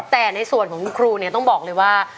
แต่ในส่วนของคุณครูเนี่ยต้องบอกเลยว่า